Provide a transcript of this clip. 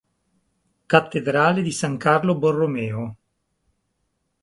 Cattedrale di San Carlo Borromeo